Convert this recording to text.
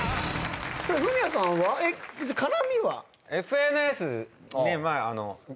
フミヤさんは絡みは？